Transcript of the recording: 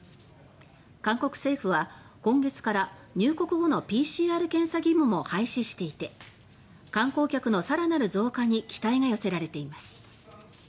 韓国政府は、今月から入国後のＰＣＲ検査義務も廃止していて観光客の更なる増加に期待が寄せられています。